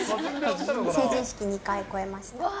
成人式、２回超えました。